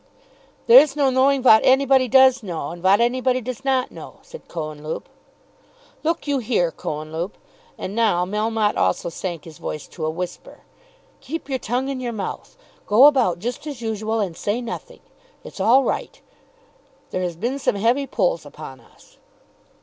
"There's no knowing vat anybody does know, and vat anybody does not know," said Cohenlupe. "Look you here, Cohenlupe," and now Melmotte also sank his voice to a whisper, "keep your tongue in your mouth; go about just as usual, and say nothing. It's all right. There has been some heavy pulls upon us."